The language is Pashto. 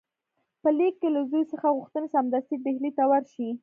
په لیک کې له زوی څخه غوښتي سمدستي ډهلي ته ورشي.